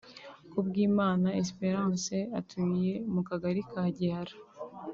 Kubwimana Esperance atuye mu Kagari ka Gihara